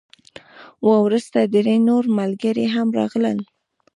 وروسته درې نور ملګري هم راغلل.